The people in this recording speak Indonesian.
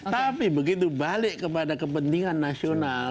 tapi begitu balik kepada kepentingan nasional